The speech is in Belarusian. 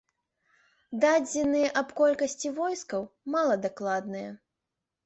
Дадзеныя аб колькасці войскаў мала дакладныя.